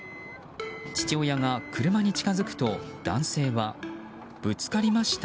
父親が車に近づくと男性はぶつかりました？